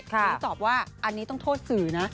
ถึงตอบว่าอันนี้ต้องโทษสื่อนะ